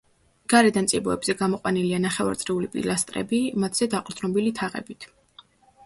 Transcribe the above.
გარედან წიბოებზე გამოყვანილია ნახევარწრიული პილასტრები, მათზე დაყრდნობილი თაღებით.